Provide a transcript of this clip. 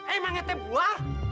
emang etep gua